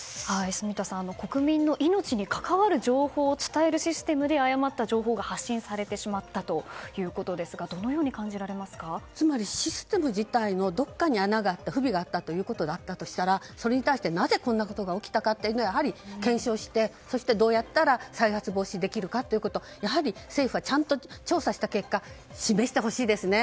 住田さん、国民の命に関わる情報を伝えるシステムで誤った情報が発信されてしまったということですがつまりシステム自体のどこかに穴があった、不備があったということがあったとしたらそれに対してなぜこんなことが起きたかを、やはり検証してどうやったら再発防止できるかをやはり政府はちゃんと調査した結果を示してほしいですね。